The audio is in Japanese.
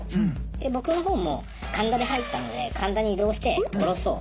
で僕の方も神田で入ったので神田に移動して降ろそう。